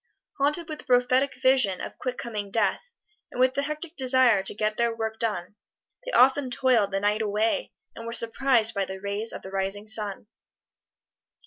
Haunted with the prophetic vision of quick coming death, and with the hectic desire to get their work done, they often toiled the night away and were surprised by the rays of the rising sun.